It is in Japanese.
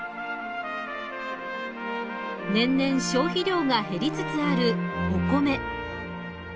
年々消費量が減りつつあるお米。